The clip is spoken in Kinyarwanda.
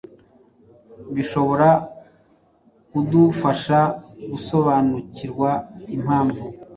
bishobora kudufasha gusobanukirwa impamvu